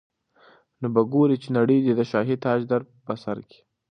نو به ګورې چي نړۍ دي د شاهي تاج در پرسر کي